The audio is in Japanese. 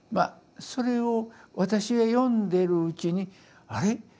それを私が読んでるうちに「あれ？